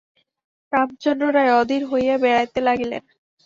রামচন্দ্র রায় অধীর হইয়া বেড়াইতে লাগিলেন।